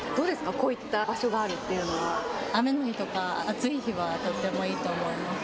こういった場所が雨の日とか暑い日はとってもいいと思います。